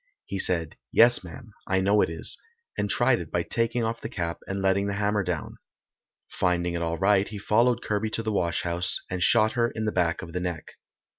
He said, "Yes, ma'am, I know it is," and tried it by taking off the cap and letting the hammer down. Finding it all right, he followed Kirby to the wash house, and shot her in the back of the neck.